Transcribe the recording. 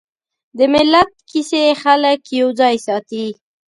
د ملت کیسې خلک یوځای ساتي.